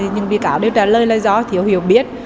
những bị cáo đều trả lời là do thiếu hiểu biết